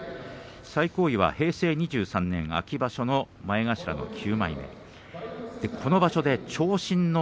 最高位は平成２３年秋場所の前頭の９枚目。